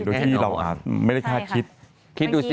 โดยที่เราไม่ได้คาดคิด